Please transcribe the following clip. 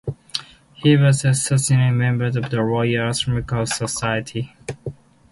He was an associate member of the Royal Astronomical Society.